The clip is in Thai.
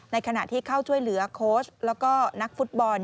ขณะที่เข้าช่วยเหลือโค้ชแล้วก็นักฟุตบอล